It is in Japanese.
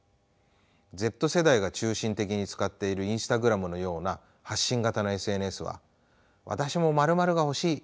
Ｚ世代が中心的に使っているＩｎｓｔａｇｒａｍのような発信型のＳＮＳは「私も○○が欲しい！」